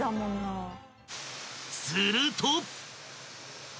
［すると］